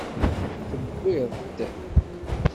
Tewwiḍ-t?